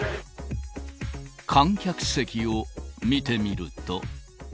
観客席を見てみると。